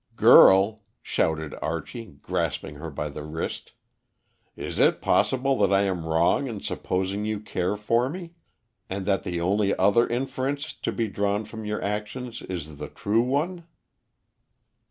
"Girl," shouted Archie, grasping her by the wrist, "is it possible that I am wrong in supposing you care for me, and that the only other inference to be drawn from your actions is the true one?"